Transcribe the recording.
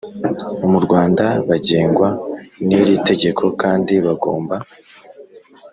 Mu rwanda bagengwa n iri tegeko kandi bagomba